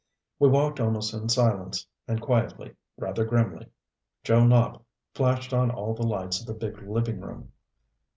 We walked almost in silence; and quietly, rather grimly, Joe Nopp flashed on all the lights of the big living room.